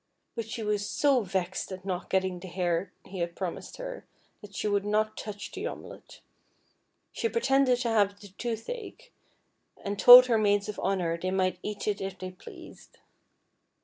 But she was so vexed at not getting the hare he had promised her, that she would not touch the omelet. She pretended to have the toothache, and told her maids of honour they might eat it if they pleased.